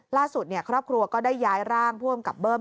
ล่าสุดครอบครัวก็ได้ย้ายร่างผู้อำกับเบิ้ม